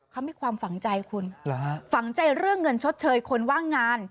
เขามีความฝังใจคุณฝังใจเรื่องเงินชดเชยคนว่างงาน